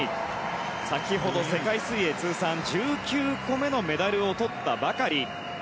先ほど世界水泳通算１９個目のメダルをとったばかり。